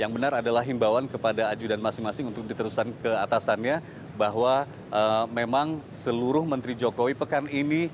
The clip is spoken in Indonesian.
yang benar adalah himbauan kepada ajudan masing masing untuk diterusan keatasannya bahwa memang seluruh menteri jokowi pekan ini